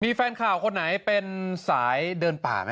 มีแฟนข่าวคนไหนเป็นสายเดินป่า